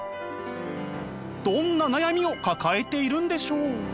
どんな悩みを抱えているんでしょう？